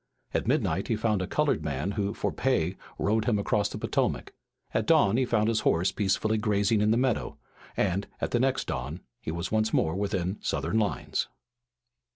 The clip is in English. At midnight he found a colored man who, for pay, rowed him across the Potomac. At dawn he found his horse peacefully grazing in the meadow, and at the next dawn he was once more within the southern lines.